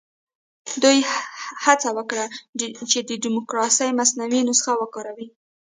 دوی هڅه وکړه چې د ډیموکراسۍ مصنوعي نسخه وکاروي.